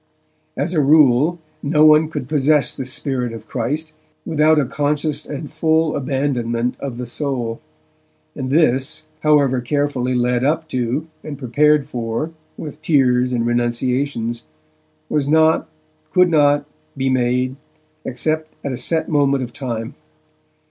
As a rule, no one could possess the Spirit of Christ, without a conscious and full abandonment of the soul, and this, however carefully led up to, and prepared for with tears and renunciations, was not, could not, be made, except at a set moment of time.